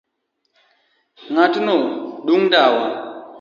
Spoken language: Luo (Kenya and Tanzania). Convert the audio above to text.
Ng'atno dung' ndawa